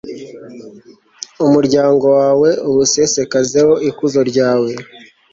umuryango wawe uwusesekazeho ikuzo ryawe